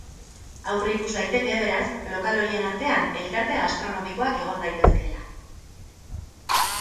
Aurreikus daiteke, beraz, lokal horien artean elkarte gastronomikoak egon daitezkela.